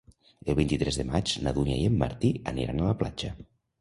El vint-i-tres de maig na Dúnia i en Martí aniran a la platja.